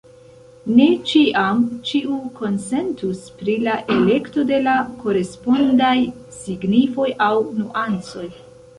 Ne ĉiam ĉiu konsentus pri la elekto de la korespondaj signifoj aŭ nuancoj.